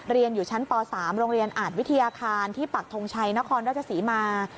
เรียนอยู่ชั้นป๓โรงเรียนอาจวิทยาคารที่ปักทงชัยนครราชศรีมา